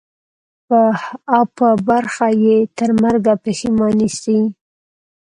او په برخه یې ترمرګه پښېماني سي